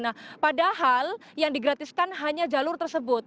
nah padahal yang digratiskan hanya jalur tersebut